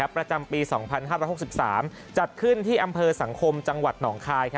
ประจำปี๒๕๖๓จัดขึ้นที่อำเภอสังคมจังหวัดหนองคาย